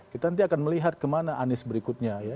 kita nanti akan melihat kemana anies berikutnya ya